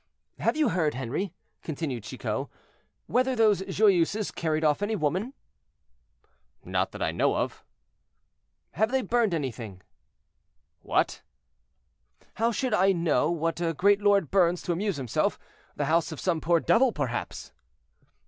"Have you heard, Henri," continued Chicot, "whether those Joyeuses carried off any woman?" "Not that I know of." "Have they burned anything?" "What?" "How should I know what a great lord burns to amuse himself; the house of some poor devil, perhaps."